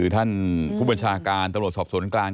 ท่านผู้บัญชาการตำรวจสอบสวนกลาง